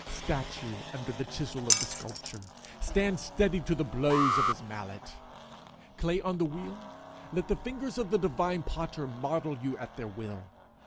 Statue under the chisel of the sculptor, stand steady to the blows of his mallet. Clay on the wheel, let the fingers of the divine potter model you at their will.